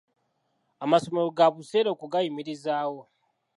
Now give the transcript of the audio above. Amasomero ga buseere okugayimirizaawo.